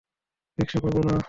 রিকশা পাবো না।